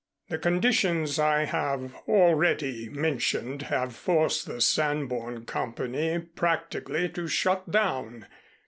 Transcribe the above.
The conditions I have already mentioned have forced the Sanborn Company practically to shut down.